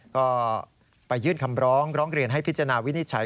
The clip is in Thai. ก็ไปยื่นคำร้องร้องเรียนให้พิจารณาวินิจฉัย